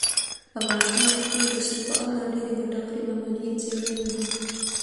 افغانستان د خپل رسوب په اړه ډېرې ګټورې علمي څېړنې لري.